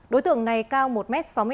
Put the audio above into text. đối tượng này cao một m sáu mươi tám